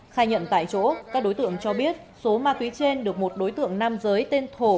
khai nhận tại chỗ các đối tượng cho biết số ma túy trên được một đối tượng nam giới tên thổ